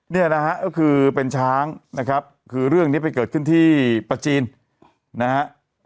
เนี่ยนะฮะก็คือเป็นช้างนะครับคือเรื่องนี้ไปเกิดขึ้นที่ประจีนนะฮะ